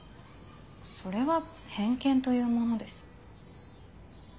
それは偏見というものです。